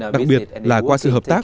đặc biệt là qua sự hợp tác